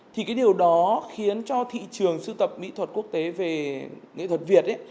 thì cái điều đó khiến cho thị trường sưu tập mỹ thuật quốc tế về nghệ thuật việt